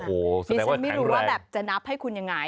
อ๋อแสดงว่าแข่งแรกนี่ฉันไม่รู้ว่าแบบจะนับให้คุณยังไง